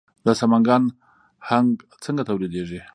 د سمنګان هنګ څنګه راټولیږي؟